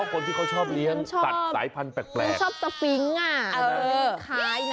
คนที่ชอบเรียนสายพันแปลก